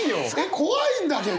怖いんだけど。